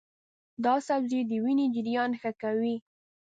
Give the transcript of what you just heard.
دا سبزی د وینې جریان ښه کوي.